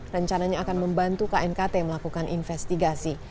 rencananya akan membantu knkt melakukan investigasi